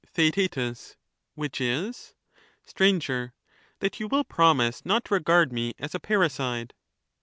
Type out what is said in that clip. TheaeU Which is —? Sir. That you will promise not to regard me as a parricide.